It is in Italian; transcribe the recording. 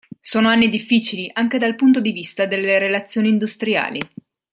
Sono anni difficili anche dal punto di vista delle relazioni industriali.